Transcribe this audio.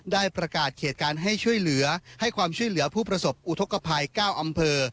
ได้ประกาศเขตการให้ช่วยเหลือให้ความช่วยเหลือผู้ประสบอุทธกภัย๙อำเภอ